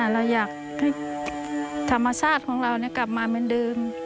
เราอยากให้ธรรมชาติของเรากลับมาเหมือนเดิม